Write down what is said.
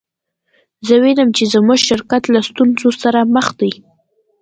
زه وینم چې زموږ شرکت له ستونزو سره مخ دی